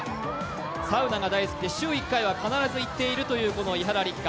サウナが大好きで週１回は必ず行っているという伊原六花。